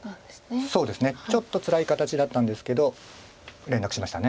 そうですねちょっとつらい形だったんですけど連絡しました。